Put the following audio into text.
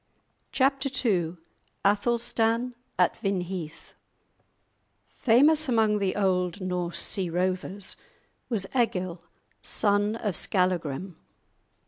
*Chapter II* *Athelstan at Vinheath* Famous among the old Norse sea rovers was Egil, son of Skallagrim.